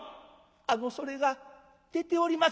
「あのそれが出ておりますか？」。